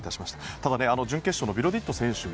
ただ準決勝の選手もビロディッド選手